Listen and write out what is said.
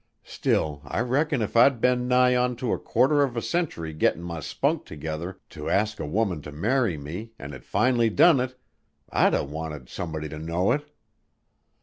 Still, I reckon if I'd been nigh on to a quarter of a century gettin' my spunk together to ask a woman to marry me an' had finally done it, I'd a wanted somebody to know it."